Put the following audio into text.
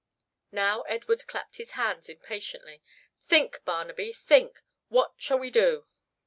Now Edward clapped his hands impatiently. "Think, Barnaby, think. What shall we do?"